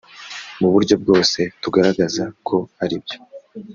mu buryo bwose tugaragaza ko aribyo